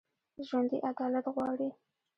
ژوندي عدالت غواړي